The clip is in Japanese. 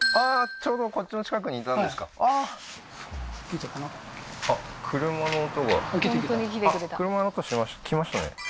ちょうどこっちの近くに居たんですかあっ車の音しました来ましたね